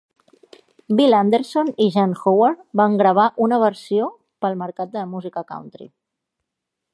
Bill Anderson i Jan Howard van gravar una versió per al mercat de música country.